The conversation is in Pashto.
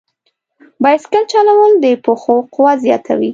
بایسکل چلول د پښو قوت زیاتوي.